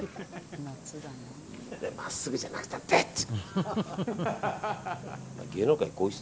真っすぐじゃなくたってーって。